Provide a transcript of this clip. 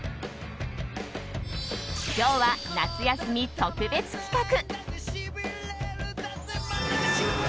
今日は夏休み特別企画。